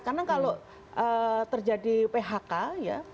karena kalau terjadi phk ya